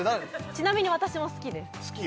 ちなみに私も好きです好き？